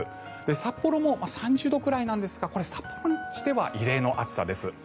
札幌も３０度くらいなんですが札幌にしては異例の暑さです。